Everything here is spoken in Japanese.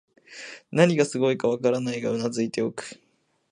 何がすごいかわからないが頷いておく